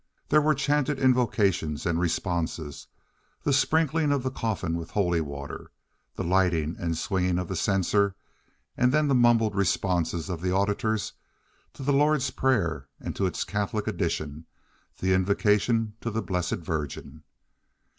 There were the chanted invocations and responses, the sprinkling of the coffin with holy water, the lighting and swinging of the censer and then the mumbled responses of the auditors to the Lord's Prayer and to its Catholic addition, the invocation to the Blessed Virgin.